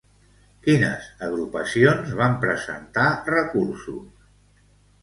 Quines agrupacions van presentar recursos?